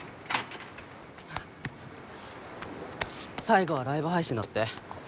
最後はライブ配信だって。